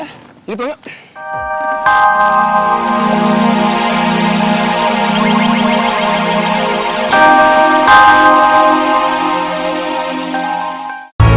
ngapain pak hamir ada disini